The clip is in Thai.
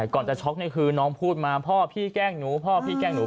ก่อนจะช็อกนี่คือน้องพูดมาพ่อพี่แกล้งหนูพ่อพี่แกล้งหนู